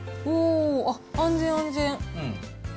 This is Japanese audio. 安全、安全。